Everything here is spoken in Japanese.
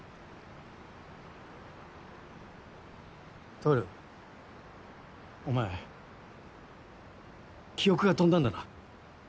透お前記憶が飛んだんだな？